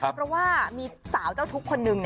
เพราะว่ามีสาวเจ้าทุกข์คนหนึ่ง